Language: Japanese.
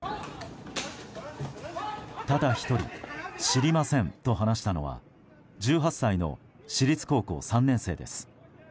ただ１人知りませんと話したのは１８歳の私立高校３年生です。